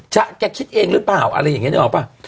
แกคิดเองหรือเปล่าอะไรอย่างนี้นึกออกป่ะ